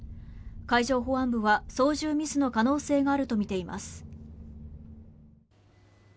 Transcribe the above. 海上保安部は、操縦ミスの可能性があるとみています。